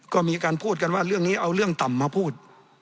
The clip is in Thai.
ก็มีการพูดกันว่าเรื่องนี้เอาเรื่องต่ำมาพูด